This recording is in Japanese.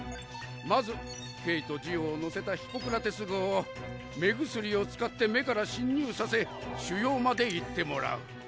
まずケイとジオを乗せたヒポクラテス号を目薬を使って目から侵入させ腫瘍まで行ってもらう。